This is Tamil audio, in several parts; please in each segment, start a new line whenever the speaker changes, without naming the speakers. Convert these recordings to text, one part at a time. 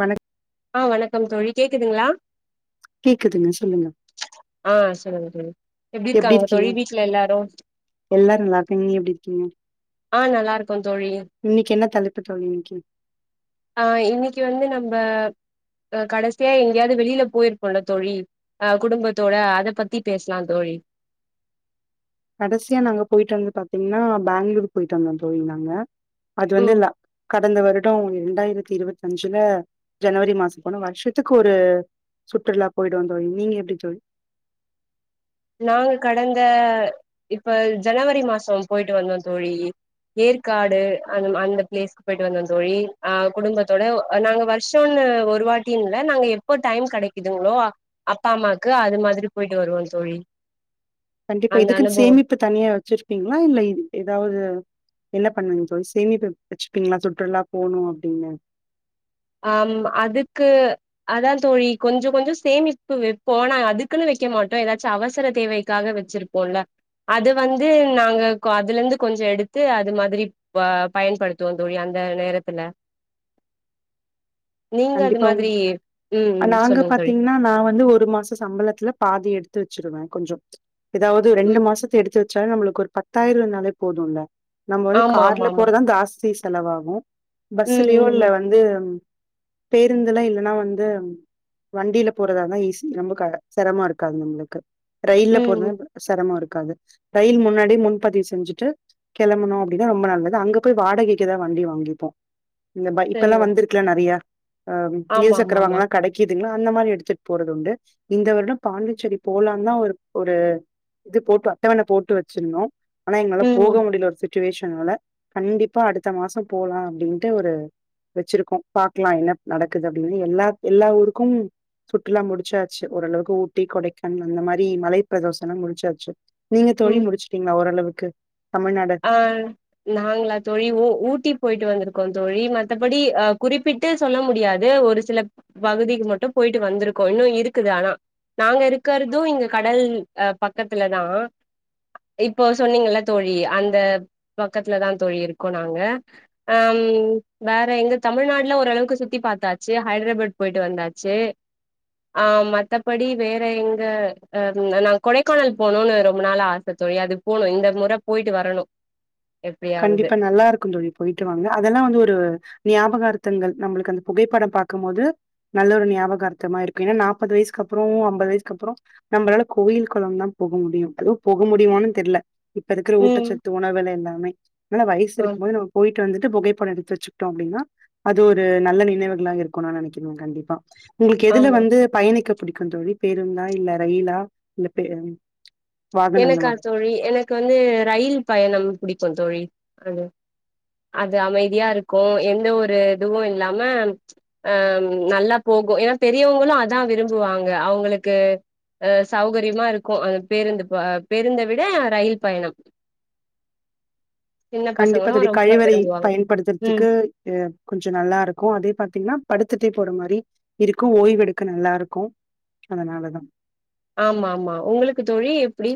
வணக்
ஆ வணக்கம் தோழி கேக்குதுங்களா
கேக்குதுங்க சொல்லுங்க
ஆ சொல்லுங்க தோழி எப்டி இருக்காங்க தோழி வீட்ல எல்லாரு
எல்லாரு நல்லா இருக்காங்க. நீங்க எப்டி இருக்கீங்க?
ஆ நல்லா இருக்கோ தோழி
இன்னைக்கு என்ன தலைப்பு தோழி இன்னைக்கு?
ஆ இன்னைக்கு வந்து நம்ப கடைசியா எங்கேயாவது வெளியில போயிருப்போம்ல தோழி அஹ் குடும்ப த்தோட அதை பத்தி பேசலாம் தோழி
கடைசியா நாங்க போயிட்டு வந்து பாத்தீங்கன்னா பெங்களூர் போயிட்டு வந்தோம் தோழி நாங்க அது வந்து
ம்
இல்ல கடந்த வருடம் இரண்டாயிரத்தி இருபத்தி அஞ்சுல ஜனவரி மாசம் போன வருஷத்துக்கு ஒரு சுற்றுலா போயிடுவோம் தோழி நீங்க எப்படி தோழி
நாங்க கடந்த இப்ப ஜனவரி மாசம் போயிட்டு வந்தோம் தோழி ஏற்காடு அந்த அந்த பிளேஸ்க்கு போயிட்டு வந்தோம் தோழி அஹ் குடும்பத்தோட நாங்க வருஷம் ஒரு வாட்டி இல்ல நாங்க எப்போ டைம் கிடைக்குதுங்களோ அப்பா அம்மாக்கு அது மாதிரி போயிட்டு வருவோம் தோழி
கண்டிப்பா
அந்த
இதுக்குன்னு
அனுபவோ
சேமிப்பு தனியா வச்சிருப்பீங்களா இல்ல இது ஏதாவது என்ன பண்ணுவீங்க தோழி சேமிப்பு வச்சுப்பீங்களா சுற்றுலா போகணும் அப்படின்னு
ஆஹம் அதுக்கு அதான் தோழி கொஞ்சம் கொஞ்சம் சேமிப்பு வைப்போம் நா அதுக்குன்னு வைக்க மாட்டோம் ஏதாச்சும் அவசர தேவைக்காக வச்சிருப்போம்ல அத வந்து நாங்க அதுல இருந்து கொஞ்சம் எடுத்து அது மாதிரி பயன்படுத்துவோம் தோழி அந்த நேரத்துல நீங்க அது
கண்டிப்பா
மாதிரி ம் ம்
நாங்க
சொல்லுங்க தோழி
பாத்தீங்கன்னா நான் வந்து ஒரு மாசம் சம்பளத்துல பாதி எடுத்து வச்சிருவேன் கொஞ்சம் ஏதாவது ரெண்டு
ம்
மாசத்தை எடுத்து சார் நம்மளுக்கு ஒரு பத்தாயிரம் இருந்தாலே போதும்ல நம்ம வந்து
ஆமா ஆமா
கார்ல
ஆமா
போறதுதான் ஜாஸ்தி செலவாகும்
ம்
பஸ்லயோ இல்ல
ம்
வந்து பேருந்துலாம் இல்லைன்னா வந்து வண்டியில போறது தான் ஈஸி ரொம்ப சிரமாம இருக்காது நம்மளுக்கு ரயில்ல
ம் ம்
போறதும் சிரமம்மா இருக்கு ரயில் முன்னாடி முன்பதிவு செஞ்சுட்டு கிளம்பணும் அப்படின்னா ரொம்ப நல்லது அங்க போய் வாடகைக்குதான் வண்டி வாங்கிப்போம் இந்த இப்பெல்லாம்
சரிங்க
வந்திருக்கலாம் நிறைய ஆஹ இரு
ஆமா ஆமா
சக்கரவாகனம்
ஆமா
எல்லாம் கிடைக்குது அந்த மாதிரி எடுத்துட்டு போறது உண்டு இந்த வருடம் பாண்டிச்சேரி போலாம் தான் ஒரு இது போட்டு அட்டவனை போட்டு வச்சிருந்தோம் ஆனா எங்களால
ம்
போக முடியல ஒரு சுச்சுவேஷன்ல கண்டிப்பா அடுத்த மாசம் போலாம் அப்படினு ஒரு வச்சிருக்கோம் பாக்கலாம் என்ன நடக்குது அப்படின்னா எல்லா எல்லா ஊருக்கும் சுற்றுலா எல்லாம் முடிச்சாச்சு ஓரளவுக்கு ஊட்டி கொடைக்கானல் அந்த மாதிரி மலை பிரதேஷம் எல்லாம் முடிச்சாச்சு நீங்க தோழி முடிச்சுட்டீங்களா ஓரளவுக்கு ஓகே
ஆஹ் நாங்களா தோழி ஊட்டி போயிட்டு வந்திருக்கோம் தோழி மத்தபடி குறிப்பிட்டு சொல்ல முடியாது ஒரு சில பகுதிக்கு மட்டும் போயிட்டு வந்திருக்கோம் இன்னும் இருக்குது ஆனா நாங்க இருக்கிறதும் இங்க கடல் பக்கத்துல தான் இப்போ சொன்னீங்க தோழி அந்த இந்த பக்கத்துல தான் தோழி இருக்கோம் நாங்க வேற எங்க தமிழ்நாடுல ஓரளவுக்கு சுத்தி பார்த்தாச்சு ஹைதராபாத் போயிட்டு வந்தாச்சு ஹ மற்றபடி வேற எங்க நாான் கொடைக்கானல் போனும்னு ரொம்ப நாள் ஆசை தோழி அது போகணும் இந்த முறை போயிட்டு வரணும்
கண்டிப்பா நல்லா இருக்கும் தோழி போயிட்டு வாங்கங்க அதெல்லாம் வந்து ஒரு ஞாபகம் இருக்கு அங்க நம்மளுக்கு அந்த புகைப்படம் பார்க்கும்போது நல்ல ஒரு ஞாபகார்த்தமா இருக்கும் ஏன்னா நாற்பது வயசுக்கு அப்புறம் ஐம்பது வயசுக்கு அப்புறம் நம்மளால கோயில் குளம் தான் போக முடியும் அது போக முடியுமான்னு தெரியல இப்ப இருக்கிற
ம்
ஊட்டச்சத்து உணவில எல்லாமே நனா வயசு
ஆமா
இருக்கும் போதே நம்ம போயி் ட்டு வந்துட்டு புகைப்படோ எடுத்து வச்சக்கிட்டோ அப்படின்னா அது ஒரு நல்ல நினைவுகளாக இருக்கும்னு நினைக்கிறே கண்டிப்பா உங்களுக்கு எதுல
ஆமா
வந்து பயணிக்க புடிக்கு தோழி பேருந்தா இல்ல ரயிலா இல்ல பே வாகனங்களா?
எனக்கா தோழி எனக்கு வந்து ரயில் பயணம் பிடிக்கு தோழி அது அது அமைதியா இருக்கு எந்த ஒரு இதுவு இல்லாம ஆ நல்லா போகு ஏன்னா பெரியவங்களு அதா விரும்புவாங்க அவங்களுக்கு அ அ சௌகரியமா இருக்கு அந்த பேருந்து ப பெருந்த விட ரயில் பயணம் சின்ன
கண்டிப்பா
பசங்களு
தோழி
ரொம்ப
கழிவறை
விரும்புவாங்க ம்
பயன்படுத்துறதுக்கு கொஞ்ச நல்லா இருக்கு அதே பாத்தீங்கன்னா படுத்துட்டே போற மாரி இருக்கு ஓய்வடுக்க நல்லா இருக்கு அதனாலதா
ஆமா ஆமா உங்களுக்கு தொழி எப்படி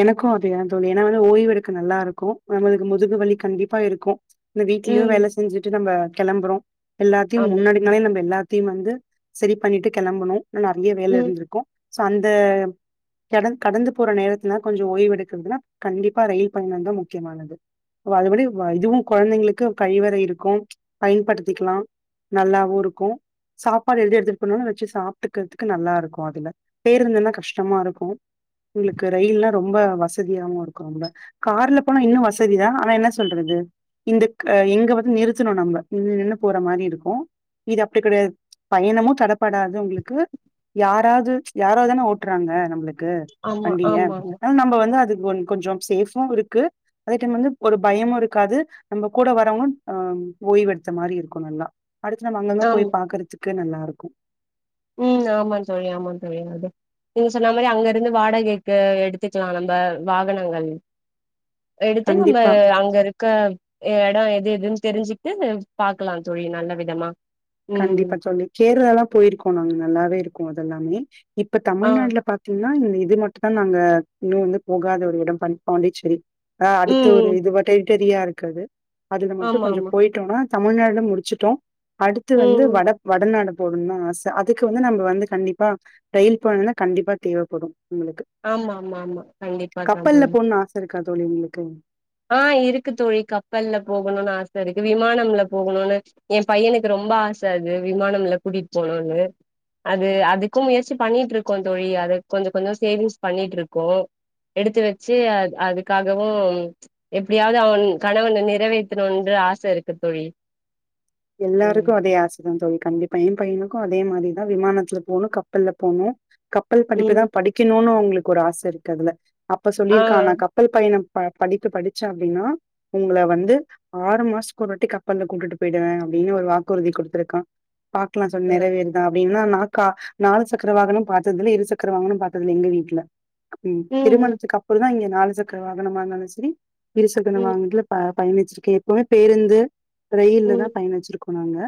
எனக்கு அதேதா தோழி ஏன்னா வந்து ஓய்வு எடுக்க நல்லா இருக்கு நம்மளுக்கு முதுகு வலி கண்டிப்பா இருக்கு இந்த வீட்லயு
ம்
வேல செஞ்சுட்டு நம்ம கிளம்பரோ எல்லாத்தையு
ஆமா
முன்னாடி நாலே நம்ம எல்லாத் த்தி வந்து சரி பண்ணிட்டு கெளம்பணு நறைய வேல
ம்
இருந்திருக்கு சோ அந்த கடல் கடந்து போற நேரத்து ந்நா கொஞ்சோ ஓய்வு எடுக்கறதுனா கண்டிப்பா ரயில் பயணம் தா முக்கியமானது ஓ அதுபடி இதுவு கொழந்தைங்களுக்கு கழிவறை இருக்கு பயன்படுத்திக்கலா நல்லாவு இருக்கு சாப்பாடு எழு எடுத்துட்டு போனாலு வச்சு சாப்பட்டுக்கிறதுக்கு நல்லா இருக்கு அதுல பேருந்துனா கஷ்டமா இருக்கு உங்களுக்கு கு ரயில்லா ரொம்ப வசதியாவு இருக்கு நம்ம கார்ல போனா இன்னு வசதிதா ஆனா என்ன சொல்றது இந்த எங்க வந்து நிறுத்தணு நம்ம நின்னு நின்னு போற மாரி இருக்கு இது அப்படி கடையாது பயணமு தடப்படாது உங்களுக்கு யாராவது யாராவதுதான ஓட்டுறாங்க நம்மளுக்கு கு
ஆமா
வண்டிங்க
ஆமா ஆமா
ஆனா நம்ம வந்து அதுக்கு கொஞ்சம் சேஃபு இருக்கு அதே டைம் வந்து ஒரு பயமு இருக்காது நம்ம கூட வரவு அ ஓய்வு எடுத்த மாரி இருக்கு நல்லா அடுத்து நம்ம அங்க அங்க போய் பாக்குறதுக்கு க்கு நல்லா இருக்கு
உ ஆமாம் தோழி ஆமா தோழி அது நீங்க சொன்ன மாரி அங்க இருந்து வாடகைக்கு எடுத்துக்கலா நம்ம வாகனங்கள் எடுத்து நம்ம
கண்டிப்பா
அங்க இருக்க எடோ எது எதுன்னு தெரிஞ்சுட்டு பாக்கலா தோழி நல்ல விதமா
கண்டிப்பா
ம்
தோழி கேரளாலா போயிருக்கோ போனாங்க நல்லாவே இருக்கு அது எல்லாமே இப்ப
ஆ
தமிழ் நாடுல பாத்தீங்க நா இந்த இது மட்டுதா நாங்க இன்னு வந்து போகாத ஒரு இடம் பண் பாண்டிசேரி ஆ அடுத்த ஒரு
ம்
இது மட்டே தெரியா இருக்குது அதுல மட்டு
ஆமா
கொஞ்சோ
ஆமா
போயிட்டோனா தமிழ்நாடு முடிச்சுட்டோ அ த் வந்து
ம்
வட வடநாடு போனுதா ஆச அதுக்கு வந்து நம்ம வந்து கண்டிப்பா ரயில் போன கண்டிப்பா தேவைப்படு
ஆமா ஆமா ஆமா கண்டிப்பா தா தோழி
கா தோழி உங்களுக்கு
ஆ இருக்கு தோழி கப்பல்ல போகணும்னு ஆச இருக்கு விமானம்ல போகணும்னு எ பையனுக்கு ரொம்ப ஆச அது விமானம்ல கூட்டிட்டு போனும்னு அது அதுக்கும் முயற்சி பண்ணிட்டு இருக்கோ தோழி அதுக்கு கொஞ்ச கொஞ்சோ சேவிங்ஸ் பண்ணிட்டு இருக்கோ எடுத்து வச்சு அது அதுக்காகவு எப்படியாவது அவன் கனவு ஒன்ன நிறைவேத்தணு என்று ஆச இருக்கு தோழி ம்
எல்லாருக்கு அதே ஆச தா தோழி கண்டிப்பா எ பையணு கு அதே மாரிதா விமானத்துல போணு கப்பல்ல போணு கப்பல்
ம்
படிப்புதா படிக்கணும்னு அவுங்க ளுக்கு ஒரு ஆச இருக்கு அதுல அப்ப
ஆ
சொல்லியிருக்கான்னா கப்பல் பயணம் ப படிப்பு படிச்சே அப்படின்னா உங்களை வந்து ஆறு மாசத்துக்கு ஒருவாட்டி கப்பல்ல கூட்டு போயிடுவே அப்படின்னு ஒரு வாக்குறுதி கொடுத்துருக்க பாக்கலா [unintelligible]
ஆ
நிறவேறுதா அப்படின்னா அக்கா நாலு சக்கரவாகனம் பாத்ததுல்ல இரு சக்கர வாகனமு பாத்தது இல்ல எங்க வீட்ல ம் திருமணத்துக்கு அப்புறம் தா இங்க நாலு சக்கர வாகனமாந்தாலு சேரி இரு சக்கர
ம்
வாகனத்ல பா பயணிச்சிருக்கே எப்பவுமே பேருந்து ரயில்ல தா
ம்
பயணச்சிற்க்கோ நாங்க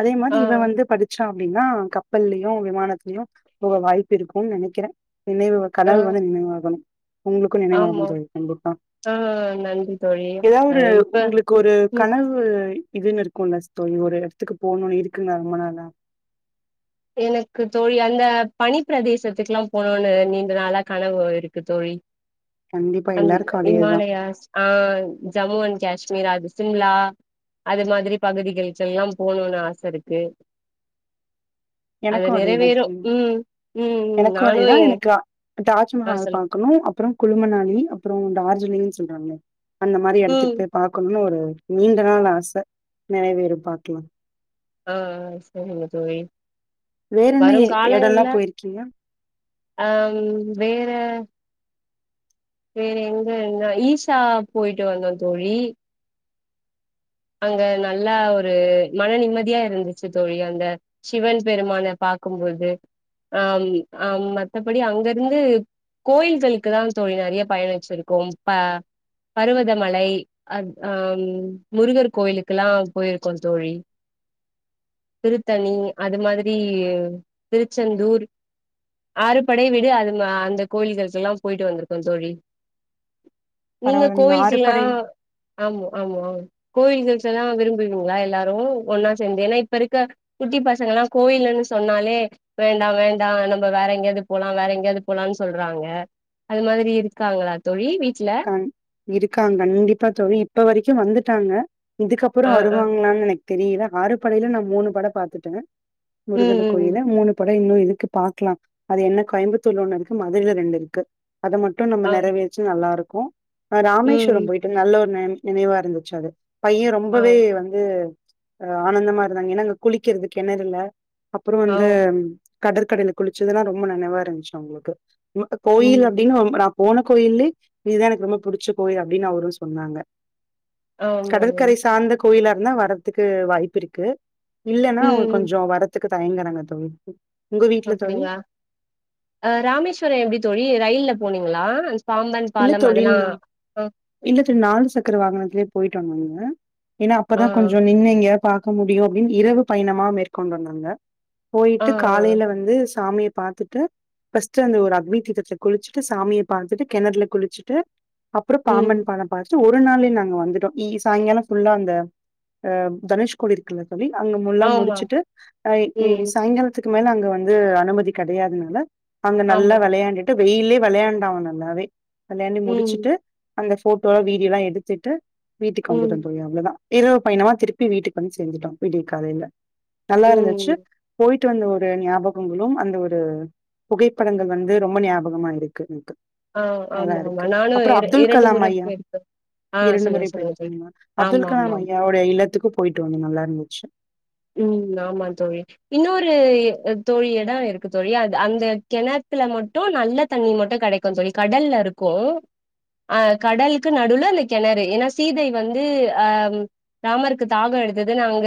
அதே மாரி
ஆ
இவ வந்து படிச்சு ட அப்படின்னா கப்பல்லயு விமானத்துலயு போக வாய்ப்பு இருக்கும்னு நெனைக்கிறே நினைவு
ஆ
கனவு வந்து நினைவு ஆகணு உங்களுக்கு நினைவாக
ஆமாம்
தோழி கண்டிப்பா
ஆ நன்றி தோழி
ஏதாவது
அ
ஒரு
இப்ப
உங்களுக்கு ஒரு
ம்
கனவு இதுன்ருக் [unintelligible] தோழி ஒரு இடத்துக்கு போணும்ணு இருக்குங்ளா ரொம்ப நாளா
எனக்கு தோழி அந்த பனிப்பிரதேசத்துக்குல்லா போனுன்னு நீண்ட நாளா கனவு இருக்கு தோழி
கண்டிப்பா எல்லாருக்கு
[unintelligible]
அதேதா
இமாலயாஸ் ஆ ஜம்மு அண்ட் காஷ்மீர் அது சிம்லா அது மாதிரி பகுதிகளளுக்குல்லா போணும்னு ஆச இருக்கு அத
எனக்கு அதேதா
நிறைவேறும்
தோழி
ம் ம் ம் நானு எ ஆ
தாஜ்மஹால
சொல்லு
பாக்கணு அப்புறே குழுமனானி அப்புறே டார்ஜிலிங் சொல்றாங்களே அந்த மாரி
ம்
இடத்துக்கு போய் பாக்ணும்னு ஒரு நீண்ட நாள் ஆச நிறைவேறும் பாக்கிலா
ஆ ஆ சேரிங்க தோழி
வேற என்ன
வருங்
எ எடல்லா
காலங்கள்ல
போயிருக்கீங்க
ஆ வேற வேற எங்க என்ன ஈஷா போயிட்டு வந்தோ தோழி அங்க நல்லா ஒரு மன நிம்மதியா இருந்துச்சு தோழி அந்த சிவன் பெருமான பாக்கும்போது அ அ மத்தபடி அங்க இருந்து கோயில்களுக்கு தா தோழி நெறைய பயண வச்சிருக்கோ ப பருவதமலை அ ஆ முருகர் கோயிலுக்குல்லா போயிருக்கோ தோழி திருத்தணி அது மாதிரி திருச்செந்தூர் ஆறு படை வீடு அது அ அந்த கோயில்களுக்குெல்லா போயிட்டு வந்திருக்கோ தோழி நீங்க
பரவால்ல
கோவில்கல்லா
ஆறுபடை
ஆமா ஆமா அ கோயில்கள் எல்லா விரும்புவீங்களா எல்லாரு ஒன்னா சேர்ந்து ஏன்னா இப்ப இருக்க குட்டி பசங்க எல்லா கோயில்ன்னு சொன்னாலே வேண்டா வேண்டா நம்ம வேற எங்கேயாவது போலா வேற எங்கேயாது போலானு சொல்றாங்க அது மாதுரி இருக்காங்களா தோழி வீட்
கன் இருக்கா கண்டிப்பா தோழி இப்ப வரைக்கு வந்துட்டாங்க இதுக்கப்புறோ
ஆ ஆ
வருவாங்களான்னு நினைக் தெரியல ஆறு படையில நா மூணு படை பாத்துட்டே
ம்
முருகர்
ம் ம்
கோயில மூணு ப இன்னு இதுக்கு பாக்கலா அது என்ன கோயம்புத்தூர்ல ஒண்ணு இருக்கு மதுரைல ரெண்டு இருக்கு அத மட்டு நம்ம
ஆ
நிறைவேச்சி நல்லா இருக் க்கோ அ
ம்
ராமேஸ்வரம்
ம்
போயிட்டு நல்ல ஒரு ந நினைவா இருந்துச்சு அது பைய
ஆ
ரொம்பவே வந்து ஒரு ஆனந்தமா இருந்தாங்க ஏன்னா அங்க குளிக்கிறது கிணறு இல்ல அப்றோ
ஆ
வந்து கடற்கடையில குளிச்சதுல்லா ரொம்ப நெனைவா இருந்துச்சு அவுங்களுக்கு அ கோயில்
ம்
அப்டின்ன [unintelligible] போன கோயில்லே இதுதா எனக்கு ரொம்ப புடிச்ச கோயில் அப்டின்னு அவரு சொன்னாங்க
ஆமா
கடற்கரை
மேம்
சார்ந்த கோயிலா இருந்தா வர்றதுக்கு வாய்ப்பு இருக்கு இல்லன்னா அவுங்க
ம் ம்
கொஞ்ச வரத் த்துக்கு தயங்குராங்க தோழி உங்க வீட்ல தோழி
அப்டிங்களா அ ராமேஸ்வர எப்டி தோழி ரயில்ல போனீங்களா அந்த பாம்பன்
இல்ல
பாலம்
தொழி
அதெல்லா
நா
ஆ
இல்ல நாலு சக்கர வாகனத்திலேயே போயிட் டம்ம ஏன்னா
ஆ
அப்பதா கொஞ்சோ நின்னு எங்கயா பாக்க முடியு அப்டின்னு இரவு பயணமா மேற்கொண்டோ நாங்க
ஆ
போயிட்டு
ஆ.
காலைல வந்துஸ் சாமிய பாத்துட்டு ஃப்ஸ்ட் அந்த ஒரு அக்னி தீர்த்ததுல குளிச்சுட்டு சாமிய பாத்துட்டு கெணத்துல குளிச்சுட்டு அப்புறோ
ம்
பாம்பன் பாலம் பாத் து ஒரு நாள்லயே நாங்க வந்துட்டோ இ சாயங்காலோ ஃபுல்லா அந்த அ தனுஷ்கோடி இருக்குல்ல தோலி அங்க முல்லா
ஆமா
முடிச்சுட்டு் எ ஏ
ம்
சாங்காலத்து க்கு மேல அங்க வந்து அனுமதி கெடையாதுனால அங்க நல்லா
ஆமா
வெளையாண்டுட் க்கு வெயில்லே வெளையண்டான் ஆவன் நல்லாவே [inaudible] வெளயாண்டு
ம்
முடிச்சிட்டு அந்த ஃபோட்டோல வீடியோலா எடுத்துட்டு வீட்டுக்கு
ம்
வந்துட்டோ தோழி அவ்ளதா இரவு பயணமா திருப்பி வீட்டுக்கு வந்து சேந்துட்டோ விடிய காலைல நல்லா
ம்
இருந்துச்சு போயிட் போய்ட்டு வந்த ஒரு ஞாபகங்களு அந்த ஒரு புகைப்படங்கள் வந்து ரொம்ப ஞாபகமா இருக்கு எனக்கு
ஆ
நல்லா
ஆமா ஆமா
இருக்கு
நானு
அப்புறோ
இர
அப்துல்
இரண்டு
கலாம்
முறை
ஐயா
போயிருக்கே ஆ
இரண்டு
சொல்லுங்க
முறை
சொல்லுங்க தோழி
போயிருகீங்களா அப்துல்
ஆமா ஆமா
கலாம் ஐயாவோடைய இல்லத்துக்கு போயிட்டு வந்தோ நல்லா இருந்துச்சு
உ ஆமா தோழி இன்னொரு தோழி எடோ இருக்கு தோழி அ அந்த கிணத்துல மட்டு நல்ல தண்ணி மட்டு கெடைக்கு தோழி கடல்ல இருக்கு அ கடலுக்கு நடுல அந்த கெணறு ஏன்னா சீதை வந்து அ ராமருக்கு தாகம் எடுத்ததுனு அங்க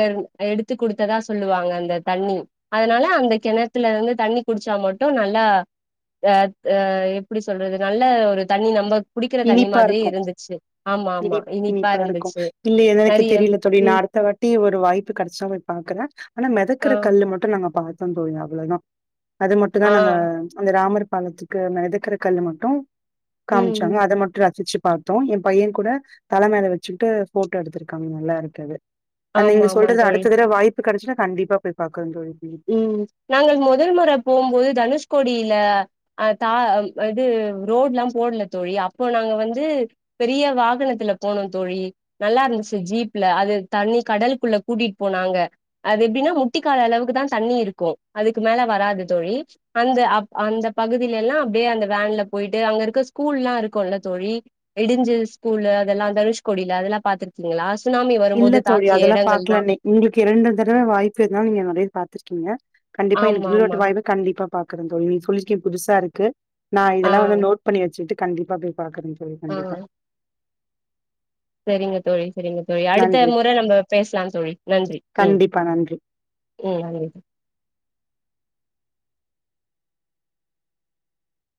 எடுத்து கொடுத்ததா சொல்லுவாங்க அந்த தண்ணி அதனால அந்த கிணத்துல இருந்து தண்ணி குடிச்சா மட்டு நல்லா அ அ எப்படி சொல்றது நல்ல ஒரு தண்ணி நம்ம குடிக்கிற தண்ணி
இனிப்பா
மாதிரியே
இருக்கு
இருந்துச்சு ஆமா ஆமா
இனி இனிப்பா இருக்கு
இருந்துச்சு
இல்ல எனக்கு
நெறைய
தெரியல தோழி நா
ம்
அடுத்த வாட்டி ஒரு வாய்ப் து கெடச்சா போய் பாக்குற ஆனா
ஆ
மெதக்குற கல்லு மட்டு நா நா பாத்த தோழி அவ்ளதா அது மட்டு தா
ஆ
நாங்க அந்த ராமர் பாலத்துக்கு மெதக்குற கல்லு மட்டு
ம்
ச்சாங்க அத மட்டு ரசிச்சு பாத்தோ‌ எ‌ பைய கூட தல மேல வச்சுக்கிட்டு ஃபோட்டோ எடுத்துருக்காங்க நல்லாருக்கு அது அ நீங்க
ஆமா ஆமா
சொல்றது
தோழி
அடுத்த தட வாய் ப்பு கடச்சினா கண்டிப்பா போய் பாக்குற தோழி
ம் நாங்கள் மொதல் மொற போம்போது தனுஷ்கோடி ல அ தா இது ரோட்லா போட்ல தோழி அப்போ நாங்க வந்து பெரிய வாகனத்துல போனோ தோழி நல்லாருந்துச்சு ஜீப்ல அது தண்ணி கடல்க்குள்ள கூட்டிட் போனாங்க அது எப்டின்னா முட்டி கால் அளவுக்கு தா தண்ணி இருக்கு அதுக்கு மேல வராது தோழி அந்த அப் அந்த பகுதிலெல்லா அப்டியே அந்த வேன்ல போய்ட்டு அங்க இருக்க ஸ்கூல்லா இருக்குல்ல தோழி இடிஞ்சு ஸ்கூலு அதெல்லா தனுஷ்கோடில அதெல்லா பாத்துருக்கீங்களா சுனாமி
இல்ல
வரும்போது
தோழி
தாக்கிய
அதெல்லா பாக்ல
எடங்கள்லா
நி உங்ளுக்கு இரண்டு தடவ வாய்ப்பு இருந்தா நீங்க நறை பாத்துரு க்கீங்க கண்டிப்பா எனக்கு
ஆமா
இங்ளோட்ட
ஆமா
வாய்ப்பு கண்டிப்பா பாக்குறந் தோழி நீ சொல்லிக்கே புதுசாருக்கு நா
ஆ
இதெல்லா வந்து நோட் பண்ணி வச்சுட்டு கண்டிப்பா பே பாக்கனு தோழி கண்டிப்பா
சேரிங்க தோழி சேரிங்க தோழி அடுத்த
நன்றி.
முற நம்ப பேசலா தோழி நன்றி ம்
கண்டிப்பா நன்றி.
ம் நன்றி